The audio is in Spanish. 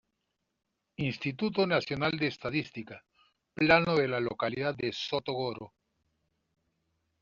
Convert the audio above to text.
Instituto Nacional de Estadística: "Plano de la localidad de Soto Goro"